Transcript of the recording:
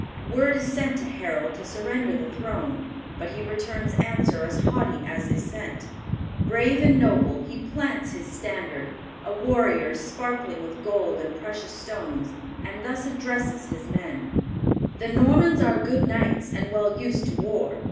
Word is sent to Harold to surrender the throne, but he returns answer as haughty as is sent. Brave and noble, he plants his standard, a warrior sparkling with gold and precious stones, and thus addresses his men: "The Normans are good knights, and well used to war.